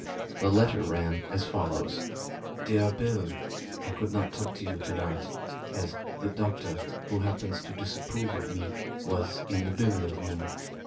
The letter ran as follows: "DEAR BILL, I could not talk to you to night, as the doctor, who happens to disapprove of me, was in the billiard room.